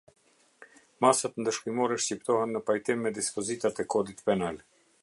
Masat ndëshkimore shqiptohen në pajtim me dispozitat e Kodit Penal.